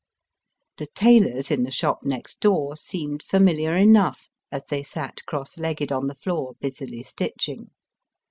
The tailors in the shop next door seemed familiar enough as they sat cross legged on the floor busily stitching.